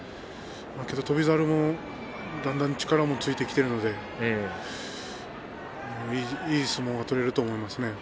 翔猿もだんだん力もついてきているのでいい相撲が取れると思いますね。